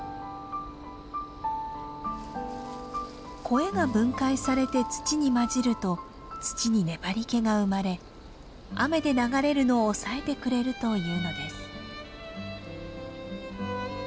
コエが分解されて土に混じると土に粘りけが生まれ雨で流れるのを抑えてくれるというのです。